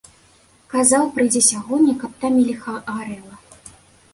Казаў, прыйдзе сягоння, каб там і ліха гарэла.